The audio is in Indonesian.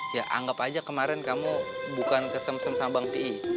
ya anggap aja kemarin kamu bukan kesem sem sama bang pi